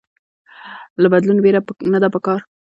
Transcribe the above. له بدلون ويره نده پکار